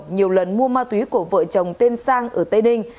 nhiều lần mua ma túy của vợ chồng tên sang ở tây ninh